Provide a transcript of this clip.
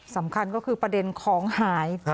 สำคัญก็คือประเด็นของหาย